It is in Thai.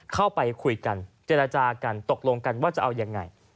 เข้าไปคุยกันเจรจากันตกลงกันว่าจะเอายังไง